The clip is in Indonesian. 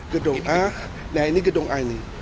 gedung a nah ini gedung a ini